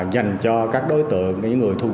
dành cho các đối tượng những người thu nhập